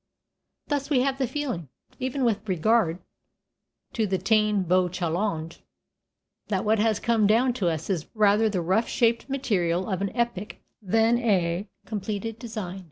Thus, we have the feeling, even with regard to the Táin Bó Cúalnge, that what has come down to us is rather the rough shaped material of an epic than a completed design.